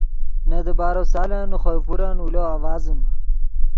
نے دیبارو سالن نے خوئے پورن اولو آڤازیم